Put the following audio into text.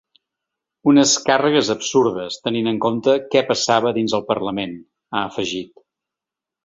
Unes càrregues absurdes, tenint en compte què passava dins el parlament, ha afegit.